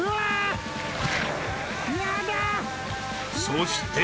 ［そして］